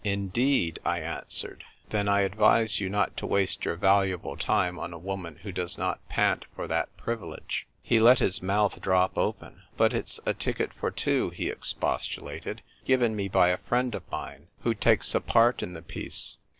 " Indeed ?" I answered. " Then I advise you not to waste your valuable time on a woman who does not pant for that privilege," He let his mouth drop open. " But it's a ticket for two," he expostulated, " given me by a friend of mine who takes a part in the piece.